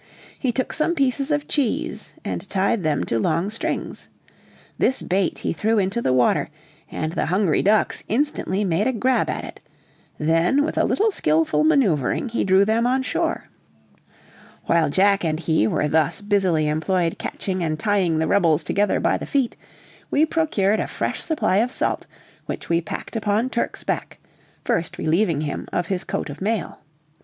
He took some pieces of cheese, and tied them to long strings. This bait he threw into the water, and the hungry ducks instantly made a grab at it; then with a little skillful maneuvering he drew them on shore. While Jack and he were thus busily employed catching and tying the rebels together by the feet, we procured a fresh supply of salt, which we packed upon Turk's back, first relieving him of his coat of mail.